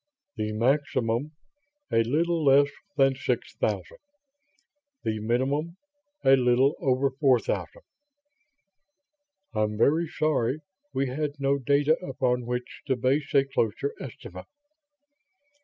"The maximum, a little less than six thousand. The minimum, a little over four thousand. I'm very sorry we had no data upon which to base a closer estimate."